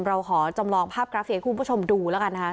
เราขอจำลองภาพกราฟิกคุณผู้ชมดูแล้วกันนะคะ